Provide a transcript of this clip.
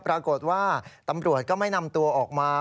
ปรากฏว่าตำรวจก็ไม่นำตัวออกมา